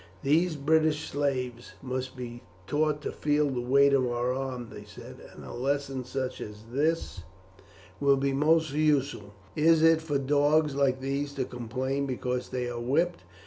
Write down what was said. "These British slaves must be taught to feel the weight of our arm," they said, "and a lesson such as this will be most useful. Is it for dogs like these to complain because they are whipped?